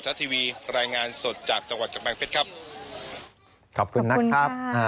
ทัศน์ทีวีรายงานสดจากจังหวัดกับแปลงเพชรครับขอบคุณมากครับ